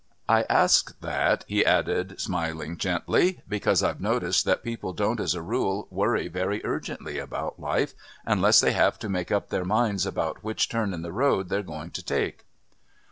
I ask that," he added, smiling gently, "because I've noticed that people don't as a rule worry very urgently about life unless they have to make up their minds about which turn in the road they're going to take."